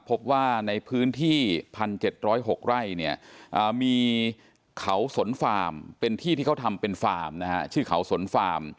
พบว่าในพื้นที่๑๗๐๖ไร่เนี่ยมีเขาสนฟาร์มเป็นที่ที่เขาทำเป็นฟาร์มนะฮะชื่อเขาสนฟาร์ม